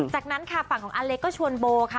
จากนั้นค่ะฝั่งของอเล็กก็ชวนโบค่ะ